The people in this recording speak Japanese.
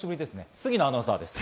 杉野アナウンサーです。